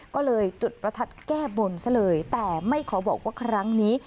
ก็เลยจุดประทัดแก้บนซะเลยแต่ไม่ขอบอกว่าครั้งนี้